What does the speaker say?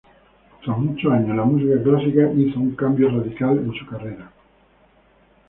Tras muchos años en la música clásica, hizo un cambio radical en su carrera.